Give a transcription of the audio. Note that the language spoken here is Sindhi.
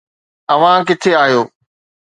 اوهان ڪٿي آهيو؟